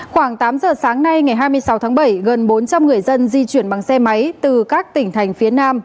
khoảng tám giờ sáng nay ngày hai mươi sáu tháng bảy gần bốn trăm linh người dân di chuyển bằng xe máy từ các tỉnh thành phía nam